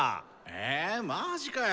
えマジかよ